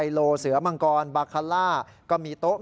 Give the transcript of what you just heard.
ตรงเกาะนี้คนเล่นเขาเก้ารู้เขาอยู่แล้ว